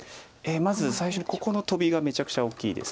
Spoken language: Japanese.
まず最初にここのトビがめちゃくちゃ大きいです。